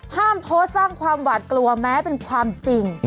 โพสต์สร้างความหวาดกลัวแม้เป็นความจริง